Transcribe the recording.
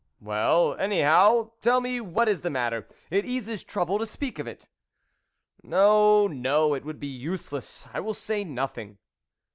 "Well, anyhow, tell me what is the matter ; it eases trouble to speak of it." THE WOLF LEADER 11 No, no ; it would be useless ; I will say nothing."